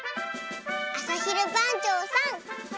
あさひるばんちょうさん。